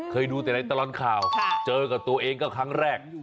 เคยดูแต่ในตลอดข่าวเจอกับตัวเองก็ครั้งแรก